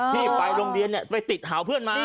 ที่ไปโรงเรียนไปติดหาเพื่อนมา